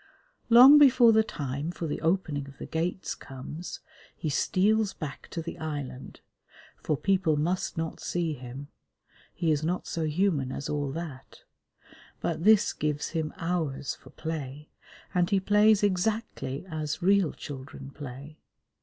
Long before the time for the opening of the gates comes he steals back to the island, for people must not see him (he is not so human as all that), but this gives him hours for play, and he plays exactly as real children play.